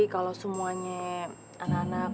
kalau semuanya anak anak